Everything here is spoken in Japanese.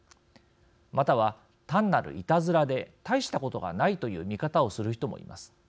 または、単なるいたずらで大したことがないという見方をする人もいます。